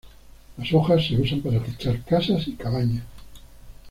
Las hojas se usan para techar casas y cabañas.